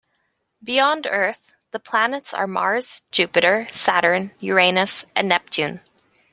Beyond Earth, the planets are Mars, Jupiter, Saturn, Uranus and Neptune.